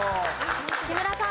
木村さん。